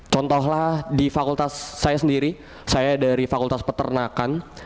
contohlah di fakultas saya sendiri saya dari fakultas peternakan